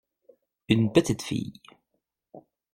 Une petite fille.